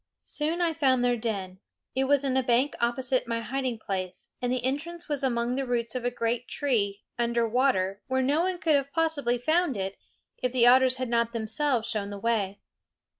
Soon I found their den. It was in a bank opposite my hiding place, and the entrance was among the roots of a great tree, under water, where no one could have possibly found it if the otters had not themselves shown the way.